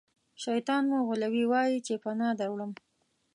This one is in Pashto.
شیطان مو غولوي ووایئ چې پناه دروړم.